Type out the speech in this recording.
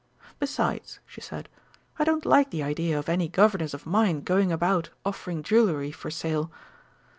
"Besides," she said, "I don't like the idea of any governess of mine going about offering jewellery for sale.